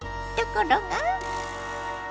ところが。